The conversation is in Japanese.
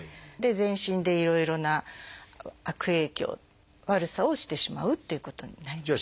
全身でいろいろな悪影響悪さをしてしまうっていうことになります。